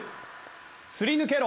すり抜けろ！